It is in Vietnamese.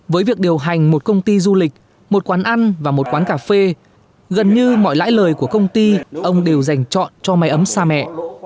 với việc điều hành một công ty du lịch một quán ăn và một quán cà phê gần như mọi lãi lời của công ty ông đều dành chọn cho máy ấm xa mẹ